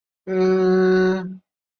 领宣府等十县。